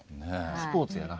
スポーツやな。